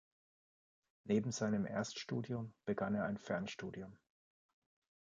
Neben seinem Erststudium begann er ein Fernstudium.